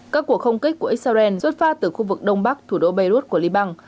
các cuộc không kích của israel xuất phát từ khu vực đông bắc thủ đô beirut của liban